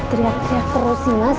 teriak teriak terus nih mas